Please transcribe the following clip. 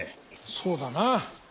そうだなぁ。